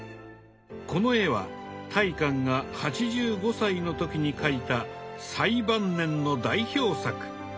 この絵は大観が８５歳の時に描いた最晩年の代表作。